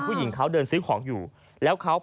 พร้อมกับหยิบมือถือขึ้นไปแอบถ่ายเลย